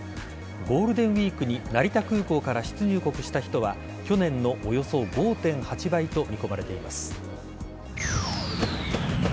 ゴールデンウイークに成田空港から出入国した人は去年のおよそ５．８倍と見込まれています。